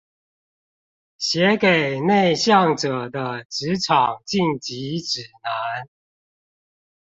寫給內向者的職場進擊指南